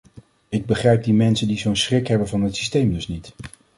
Ik begrijp die mensen die zo'n schrik hebben van dit systeem dus niet.